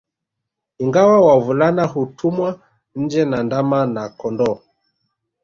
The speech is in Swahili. Ingawa wavulana hutumwa nje na ndama na kondooo